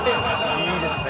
いいですね